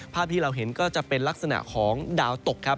ภาพที่เราเห็นก็จะเป็นลักษณะของดาวตกครับ